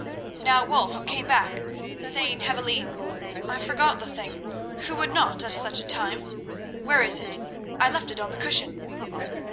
Now Wulf came back, saying heavily: "I forgot the thing—who would not at such a time? Where is it? I left it on the cushion."